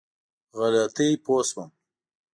غلطي پوه شوم.